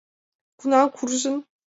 Кунам куржын?